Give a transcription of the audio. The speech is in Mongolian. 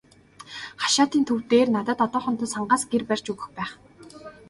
Хашаатын төв дээр надад одоохондоо сангаас гэр барьж өгөх байх.